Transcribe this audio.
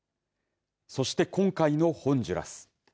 そして、今回のホンジュラス。